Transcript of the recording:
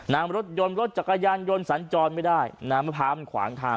น้ำรถยนต์รถจักรยานยนต์สัญจรไม่ได้น้ำมะพร้าวมันขวางทาง